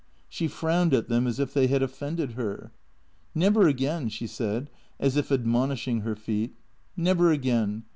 She frowned at them as if they had offended her. " Never again," she said, as if admonishing her feet. " Never again.